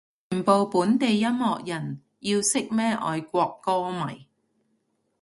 全部本地音樂人要識咩外國歌迷